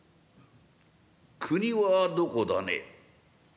「国はどこだね？」。